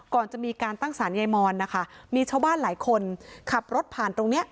ก่อนจะมีการตั้งสารใยมอนนะคะมีชาวบ้านหลายคนขับรถผ่านตรงนี้